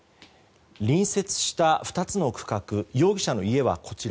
隣接した２つの区画容疑者の家はこちら。